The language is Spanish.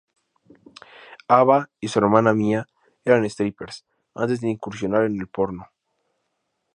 Ava y su hermana Mia eran strippers antes de incursionar en el porno.